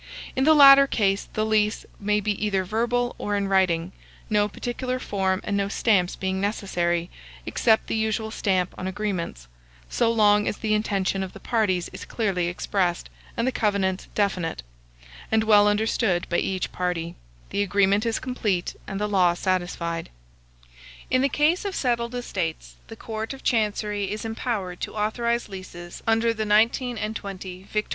In the latter case, the lease may be either verbal or in writing, no particular form and no stamps being necessary, except the usual stamp on agreements; so long as the intention of the parties is clearly expressed, and the covenants definite, and well understood by each party, the agreement is complete, and the law satisfied. In the case of settled estates, the court of Chancery is empowered to authorize leases under the 19 & 20 Vict.